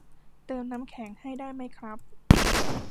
เติมน้ำแข็งให้ได้ไหมครับ